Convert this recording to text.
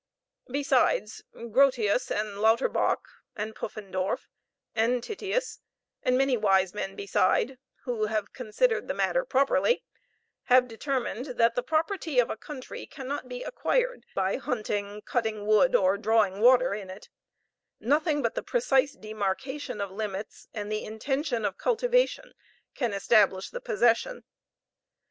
Besides Grotius and Lauterbach, and Puffendorf, and Titius, and many wise men beside, who have considered the matter properly, have determined that the property of a country cannot be acquired by hunting, cutting wood, or drawing water in it nothing but precise demarcation of limits, and the intention of cultivation, can establish the possession.